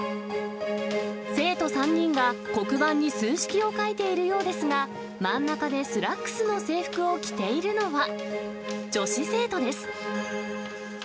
生徒３人が黒板に数式を書いているようですが、真ん中でスラックスの制服を着ているのは女子生徒です。